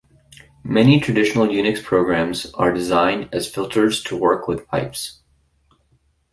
Many traditional Unix programs are designed as filters to work with pipes.